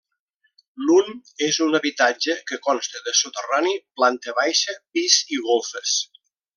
L'un és un habitatge que consta de soterrani, planta baixa, pis i golfes.